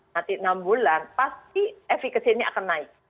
nanti enam bulan pasti efekasinya akan naik